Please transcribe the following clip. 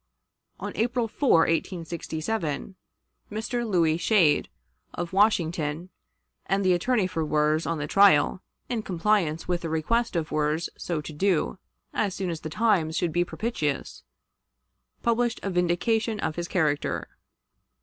On April 4, 1867, Mr. Louis Schade, of Washington, and the attorney for Wirz on the trial, in compliance with the request of Wirz so to do, as soon as the times should be propitious, published a vindication of his character.